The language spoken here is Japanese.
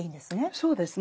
そうですね。